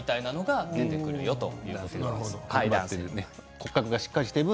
骨格がしっかりしている分